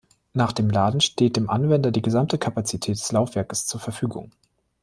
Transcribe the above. Nach dem Laden steht dem Anwender die gesamte Kapazität des Laufwerkes zur Verfügung.